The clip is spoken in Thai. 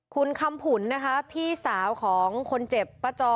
คุณคำผุนนะคะพี่สาวของคนเจ็บป้าจอ